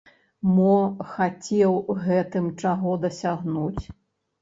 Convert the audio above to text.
Мо хацеў гэтым чаго дасягнуць?